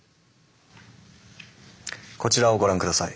こちらをご覧下さい。